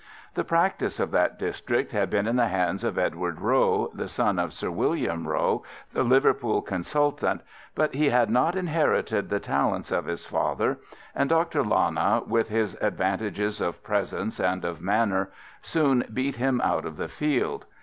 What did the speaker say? The practice of that district had been in the hands of Edward Rowe, the son of Sir William Rowe, the Liverpool consultant, but he had not inherited the talents of his father, and Dr. Lana, with his advantages of presence and of manner, soon beat him out of the field.